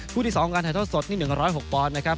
คู่ที่สองการถ่ายเท้าสดนี่๑๐๖ปอนด์นะครับ